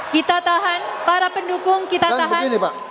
kita tahan para pendukung kita tahan